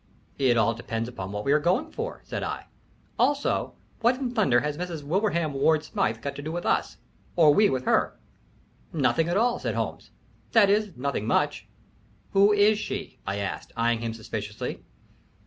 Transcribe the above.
"It all depends upon what we are going for," said I. "Also, what in thunder has Mrs. Wilbraham Ward Smythe got to do with us, or we with her?" "Nothing at all," said Holmes. "That is, nothing much." "Who is she?" I asked, eying him suspiciously.